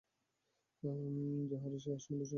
যাঁহার যে আসনে বসিলে সুবিধা হয়, তিনি সেই আসন বাছিয়া লইবেন।